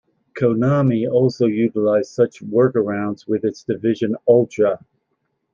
Konami also utilized such workarounds with its division Ultra.